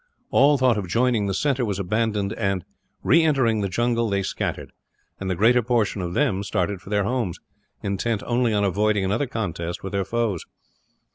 All thought of joining the centre was abandoned and, re entering the jungle, they scattered; and the greater portion of them started for their homes, intent only on avoiding another contest with their foes.